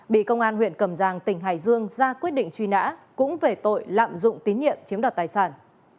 bị công an huyện cầm giang tỉnh hải dương ra quyết định truy nã cũng về tội lạm dụng tín nhiệm chiếm đoạt tài sản